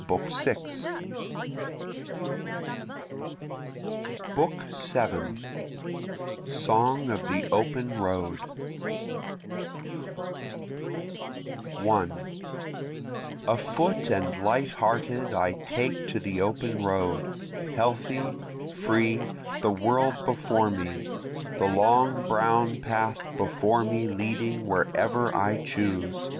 BOOK VII Song of the Open Road 1 Afoot and light hearted I take to the open road, Healthy, free, the world before me, The long brown path before me leading wherever I choose.